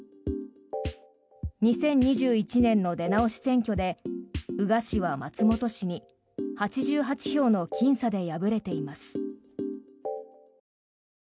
２０２１年の出直し選挙で宇賀氏は松本氏に８８票のきん差で敗れています。